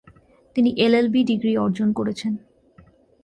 তিনি LLB degree অর্জন করেছেন।